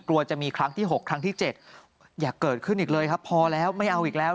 กลัวจะมีครั้งที่๖ครั้งที่๗อย่าเกิดขึ้นอีกเลยครับพอแล้วไม่เอาอีกแล้ว